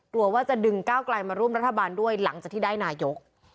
กลัวว่าจะดึงก้าวไกลมาร่วมรัฐบาลด้วยหลังจากที่ได้นายก